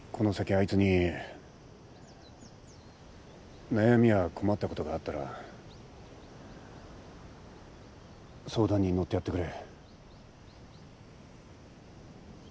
あいつに悩みや困ったことがあったら相談に乗ってやってくれ。